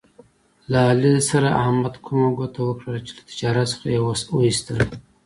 له علي سره احمد کومه ګوته وکړله، چې له تجارت څخه یې و ایستلا.